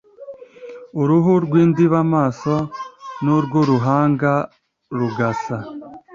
uruhu rw'indibaso n'urw'uruhanga rugasa